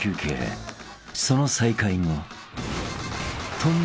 ［その再開後］